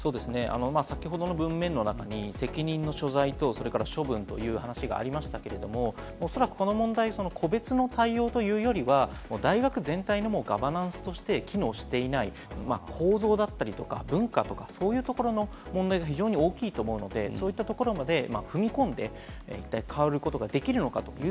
先ほどの文面の中に責任の所在と処分という話がありましたけれども、おそらくこの問題、個別の対応というよりは、大学全体のガバナンスとして機能していない構造だったりとか文化とか、そういうところの問題が非常に大きいと思うので、そういったところまで踏み込んで変えることができるのか？